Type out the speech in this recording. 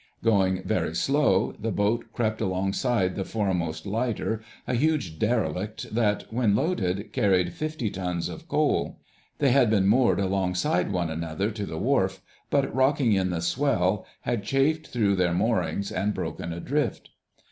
Going very slow, the boat crept alongside the foremost lighter, a huge derelict that, when loaded, carried fifty tons of coal. They had been moored alongside one another to the wharf, but, rocking in the swell, had chafed through their moorings and broken adrift.